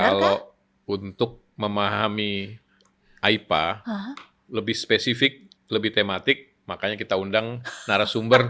kalau untuk memahami aipa lebih spesifik lebih tematik makanya kita undang narasumber